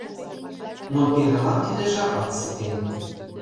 Но пирылан тиде жапат ситен.